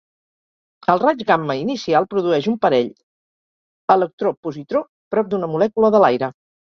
El raig gamma inicial produeix un parell electró-positró prop d'una molècula de l'aire.